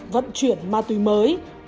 vận chuyển ma túy mới